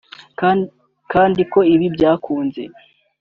kandi ko ibi byakunze